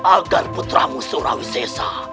agar putramu surawi caesar